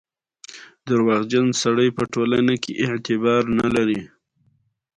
ژوندي موجودات یو بل ته اړتیا لري